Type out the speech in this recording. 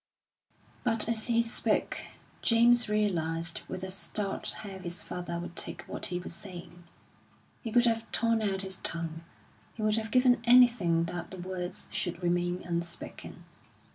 But as he spoke, James realised with a start how his father would take what he was saying. He could have torn out his tongue, he would have given anything that the words should remain unspoken.